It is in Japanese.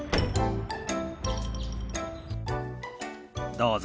どうぞ。